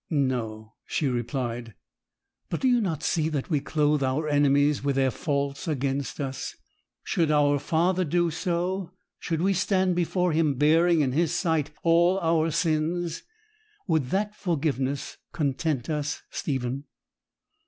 'No,' she replied; 'but do you not see that we clothe our enemies with their faults against us? Should our Father do so, should we stand before Him bearing in His sight all our sins, would that forgiveness content us, Stephen?'